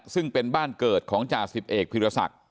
ซึ่งเป็นบ้านเกิดของจ่าสิบเอกพิรศักดิ์